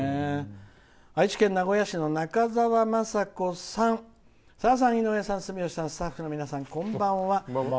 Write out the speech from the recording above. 愛知県名古屋市のなかざわまさこさんさださん、井上さん、住吉さんスタッフの皆さん、こんばんは。